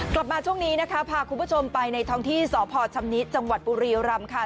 กลับมาช่วงนี้นะคะพาคุณผู้ชมไปในท้องที่สพชำนิจังหวัดบุรีรำค่ะ